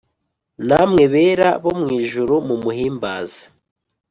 Namwe bera bo mw’ijuru mumuhimbaze